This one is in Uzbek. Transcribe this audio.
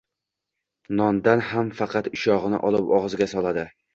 Nondan ham faqat ushog`ini olib og`ziga soladi